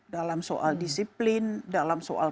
dalam soal disiplin dalam soal